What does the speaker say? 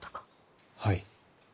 はい。